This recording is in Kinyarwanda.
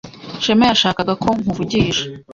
Shema yashakaga ko nkuvugisha.